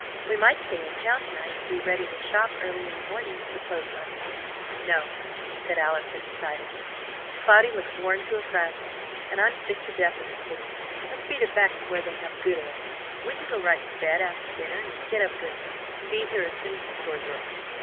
"We might stay in town to night, and be ready to shop early in the morning," proposed Leslie. "No," said Allison decidedly. "Cloudy looks worn to a frazzle, and I'm sick to death of the city. Let's beat it back to where they have good air. We can go right to bed after dinner, and get up good and early, and be here as soon as the stores are open.